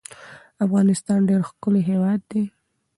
افغانستان ډیر ښکلی هیواد ده